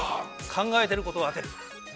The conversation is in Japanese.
考えていることを当てる。